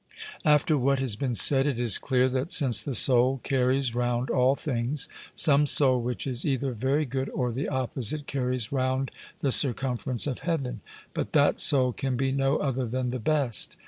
After what has been said, it is clear that, since the soul carries round all things, some soul which is either very good or the opposite carries round the circumference of heaven. But that soul can be no other than the best.